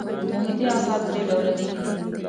محیطي اعصاب درې ډوله دي.